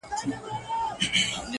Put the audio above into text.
بيا چي يخ سمال پټيو څخه راسي!!